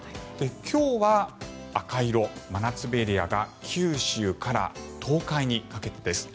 今日は赤色、真夏日エリアが九州から東海にかけてです。